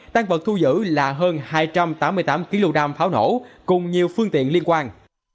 tăng vật thu giữ là hơn hai trăm tám mươi tám kg pháo nổ cùng nhiều phương tiện liên quan